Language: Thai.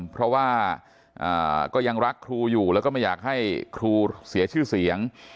เพราะว่าก็ยังรักครูอยู่แล้วก็ไม่อยากให้ครูเสียชื่อเสียง